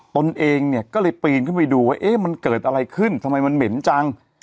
ตนเองเนี่ยก็เลยปีนขึ้นไปดูว่าเอ๊ะมันเกิดอะไรขึ้นทำไมมันเหม็นจัง